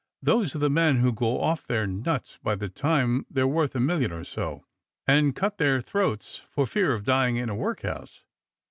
Those are the men who go off their nuts by the time they're worth a million or so, and cut their throats for fear of dying in a workhouse.